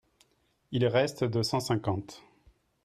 Il reste de cent cinquante.